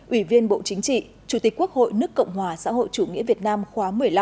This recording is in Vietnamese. ủy viên bộ chính trị chủ tịch quốc hội nước cộng hòa xã hội chủ nghĩa việt nam khóa một mươi năm